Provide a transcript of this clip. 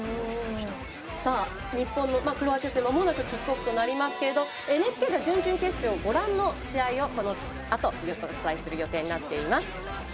さあ日本のクロアチア戦まもなくキックオフとなりますけれどもＮＨＫでは準々決勝ご覧の試合をこのあとお伝えする予定になっています。